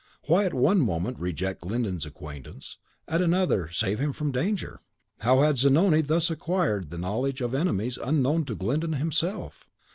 Why at one moment reject Glyndon's acquaintance, at another save him from danger? How had Zanoni thus acquired the knowledge of enemies unknown to Glyndon himself?